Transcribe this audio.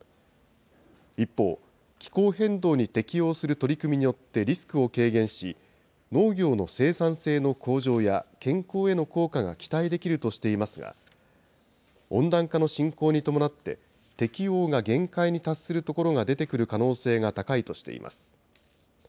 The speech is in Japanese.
一方、気候変動に適応する取り組みによってリスクを軽減し、農業の生産性の向上や健康への効果が期待できるとしていますが、温暖化の進行に伴って、適応が限界に達するところが出てくる可能性が高いとしています。